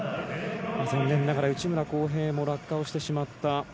残念ながら内村航平も落下をしてしまった。